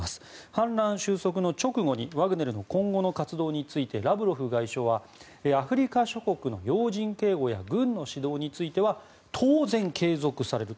反乱収束の直後にワグネルの今後の活動についてラブロフ外相はアフリカ諸国の要人警護や軍の指導については当然、継続される。